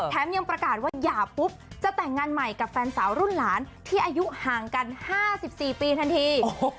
ยังประกาศว่าหย่าปุ๊บจะแต่งงานใหม่กับแฟนสาวรุ่นหลานที่อายุห่างกัน๕๔ปีทันที